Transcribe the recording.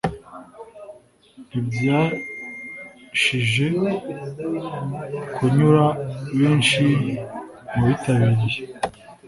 ntibyashije kunyura benshi mu bitabiriye